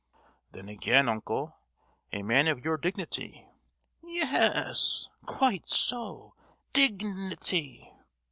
"Then again, uncle; a man of your dignity——" "Ye—yes, quite so, dig—nity!"